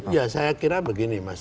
ya saya kira begini mas